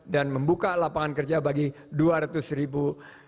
dan membuka lapangan kerja bagi dua ratus ribu